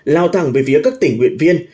lao thẳng về phía các tỉnh nguyên viên